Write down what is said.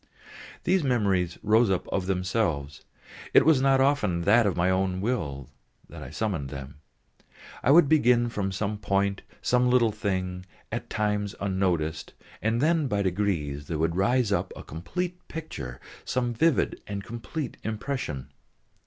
These memories rose up of themselves, it was not often that of my own will I summoned them. It would begin from some point, some little thing, at times unnoticed, and then by degrees there would rise up a complete picture, some vivid and complete impression.